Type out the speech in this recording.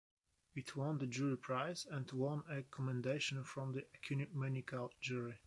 It won the Jury Prize and won a commendation from the Ecumenical Jury.